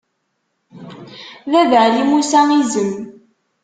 Baba Ɛli Musa izem.